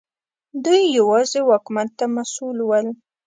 دوی یوازې واکمن ته مسوول ول.